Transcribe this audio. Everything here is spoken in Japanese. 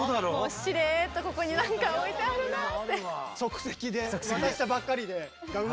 しれっとここに何か置いてあるなって。